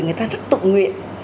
người ta rất tụng nguyện